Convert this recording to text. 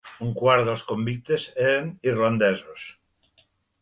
Un quart dels convictes eren irlandesos.